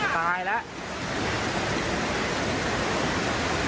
ตายแล้ว